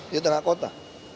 di tengah kota